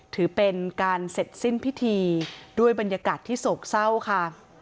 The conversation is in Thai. ถือเป็นการเสร็จสิ้นพิธีด้วยบรรยากาศที่โศกเศร้าค่ะ